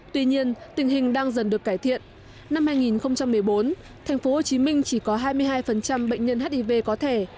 tuy nhiên tình hình đang dần được cải thiện năm hai nghìn một mươi bốn tp hcm chỉ có hai mươi hai bệnh nhân hiv có thể